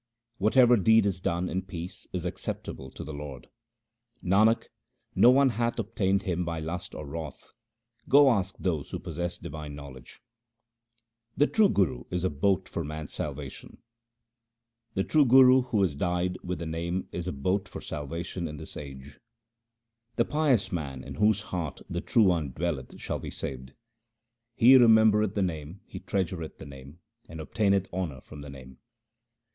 Whatever deed is done in peace is acceptable to the Lord. Nanak, no one hath obtained Him by lust and wrath ; go ask those who possess divine knowledge. The true Guru is a boat for man's salvation :— The true Guru who is dyed with the Name is a boat for salvation in this age. 1 The body. 2 Pain and pleasure. 3 The soul. THE SIKH RELIGION The pious man in whose heart the True One dwelleth shall be saved. He remembereth the Name, he treasureth the Name, and obtaineth honour from the Name.